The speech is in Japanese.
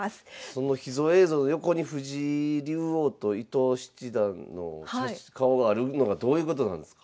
その秘蔵映像の横に藤井竜王と伊藤七段の顔があるのがどういうことなんですか？